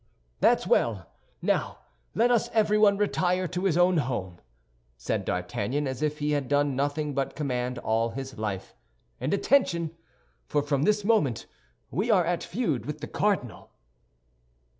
"That's well! Now let us everyone retire to his own home," said D'Artagnan, as if he had done nothing but command all his life; "and attention! For from this moment we are at feud with the cardinal."